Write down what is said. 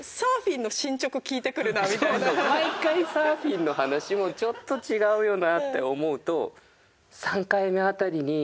毎回サーフィンの話もちょっと違うよなって思うと。